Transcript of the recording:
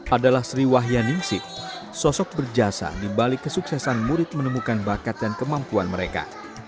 adalah sri wahya ningsip sosok berjasa dibalik kesuksesan murid menemukan bakat dan kemampuan mereka